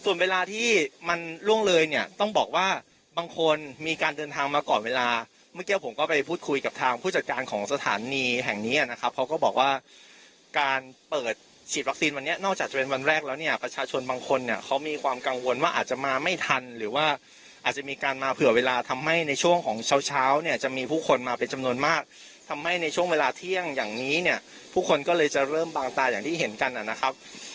ส่วนเวลาที่มันร่วงเลยเนี่ยต้องบอกว่าบางคนมีการเดินทางมาก่อนเวลาเมื่อกี้ผมก็ไปพูดคุยกับทางผู้จัดการของสถานีแห่งนี้นะครับเขาก็บอกว่าการเปิดฉีดวัคซีนวันนี้นอกจากจะเป็นวันแรกแล้วเนี่ยประชาชนบางคนเนี่ยเขามีความกังวลว่าอาจจะมาไม่ทันหรือว่าอาจจะมีการมาเผื่อเวลาทำให้ในช่วงของเช้าเนี่ยจะ